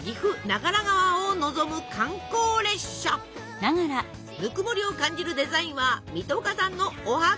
ぬくもりを感じるデザインは水戸岡さんのおはこね！